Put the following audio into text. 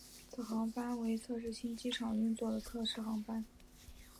此航班为测试新机场的运作的测试航班。